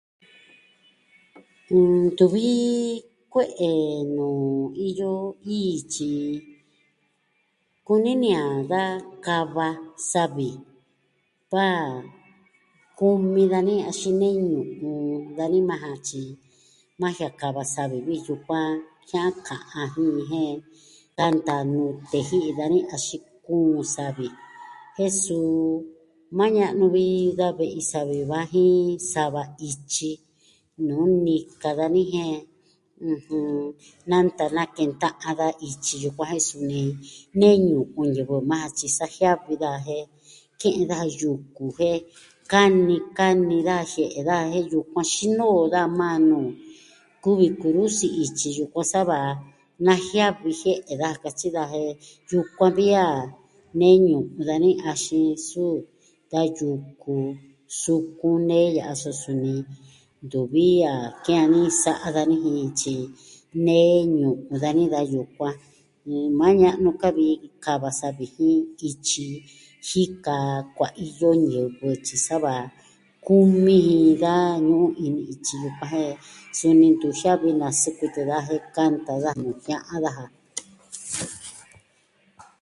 Ntuvi kue'e nuu iyo ii tyi kuni ni a da kava savi, va kumi dani axin nee ñu'un dani majan, tyi maa jiaa kava savi vi yukuan, jianka'an jin jen tan ta nute ji'i dani, axin kuun savi, jen suu maa ña'nu vi da ve'i savi va jin sa va ityi nuu nika dani jien, ɨjɨn, nanta nakenta'an da ityi yukuan, jen suni nee ñu'un ñivɨ majan tyi sa jiavi daja jen ke'en daja yuku jen kani kani daja jie'e daja jen yukuan xinoo daja majan nuu kuvi kurusi ityi yukuan sava najiavi da jie'e daja katyi daja jen yukuan vi a nee ñu'un dani, axin suu da yuku sukun nee ya'a, so suni ntuvi a kee dani, sa'a dani jin tyi, nee ñu'un dani da yukuan. Maa ña'nu ka vi kava savi jin ityi jika kuaiyo ñivɨ tyi sa va kumi ji da ñu'un ini ityi yukuan jen, suni ntu jiavi na sikutu daja jen kanta daja nuu jia'an daja.